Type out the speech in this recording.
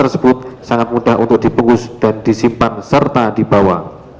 sangat mudah untuk dipungkus dan disimpan serta dibawa